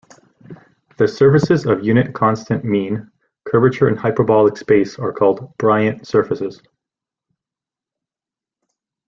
The surfaces of unit constant mean curvature in hyperbolic space are called Bryant surfaces.